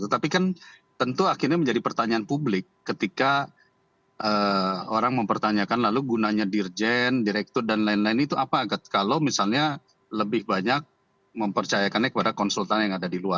tetapi kan tentu akhirnya menjadi pertanyaan publik ketika orang mempertanyakan lalu gunanya dirjen direktur dan lain lain itu apa kalau misalnya lebih banyak mempercayakannya kepada konsultan yang ada di luar